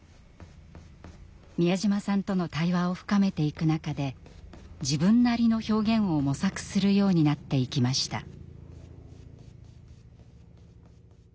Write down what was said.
美谷島さんとの対話を深めていく中で自分なりの表現を模索するようになっていきました。